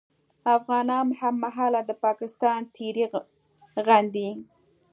افغانان هممهاله د پاکستان تېری غندي